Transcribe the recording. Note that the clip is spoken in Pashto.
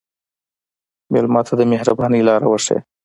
مېلمه ته د مهربانۍ لاره وښیه.